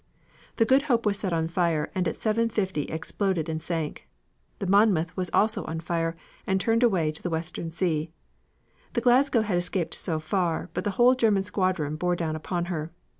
The Good Hope was set on fire and at 7.50 exploded and sank. The Monmouth was also on fire, and turned away to the western sea. The Glasgow had escaped so far, but the whole German squadron bore down upon her.